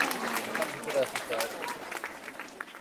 হায়দার ভিতরে আছে, স্যার।